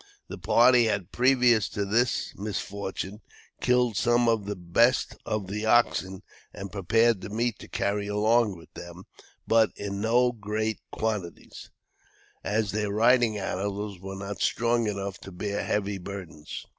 The party had, previous to this misfortune, killed some of the best of the oxen, and prepared the meat to carry along with them; but, in no great quantities, as their riding animals were not strong enough to bear heavy burdens.